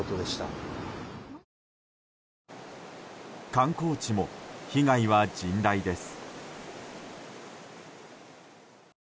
観光地も被害は甚大です。